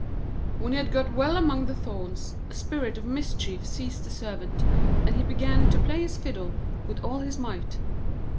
] When he had got well among the thorns, a spirit of mischief seized the Servant, and he began to play his fiddle with all his might.